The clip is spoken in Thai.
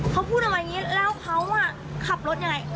เขาพูดทำไมแบบนี้แล้วเขาขับรถยังไง